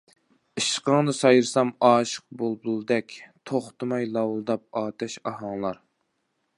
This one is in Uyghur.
ئىشقىڭدا سايرىسام ئاشىق بۇلبۇلدەك، توختىماي لاۋۇلداپ ئاتەش ئاھاڭلار.